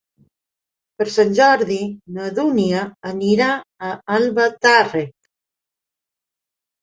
Per Sant Jordi na Dúnia anirà a Albatàrrec.